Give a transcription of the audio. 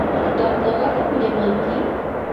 ¿Qam nuqata kuyamanki?